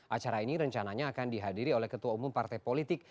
acara ini rencananya akan dihadiri oleh ketua umum partai politik